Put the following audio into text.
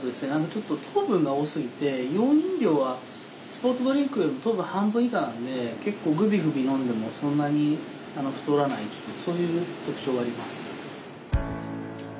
ちょっと糖分が多すぎてイオン飲料はスポーツドリンクよりも糖分半分以下なんで結構グビグビ飲んでもそんなに太らないっていうそういう特徴があります。